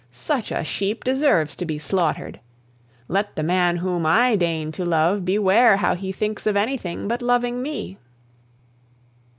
Such a sheep deserves to be slaughtered. Let the man whom I deign to love beware how he thinks of anything but loving me!